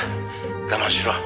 我慢しろ」